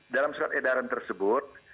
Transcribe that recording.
dalam saat edaran tersebut